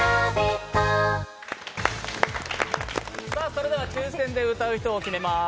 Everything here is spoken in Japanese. それでは、抽選で歌う人を決めます。